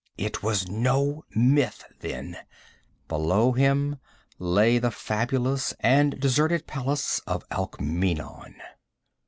It was no myth, then; below him lay the fabulous and deserted palace of Alkmeenon.